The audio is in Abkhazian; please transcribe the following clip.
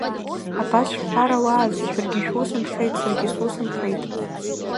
Абас шәҳәарауааз, шәаргьы шәус нхеит, саргьы сус нхеит.